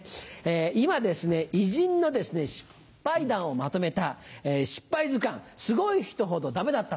今偉人の失敗談をまとめた『失敗図鑑すごい人ほどダメだった』。